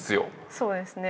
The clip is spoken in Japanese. そうですね。